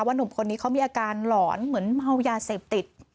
หนุ่มคนนี้เขามีอาการหลอนเหมือนเมายาเสพติด